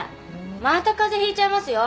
また風邪ひいちゃいますよ。